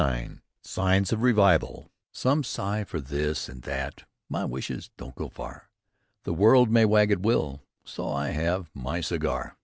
IX SIGNS OF REVIVAL Some sigh for this and that My wishes don't go far; The world may wag at will, So I have my cigar.